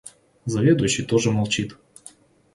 Заведующий тоже молчит.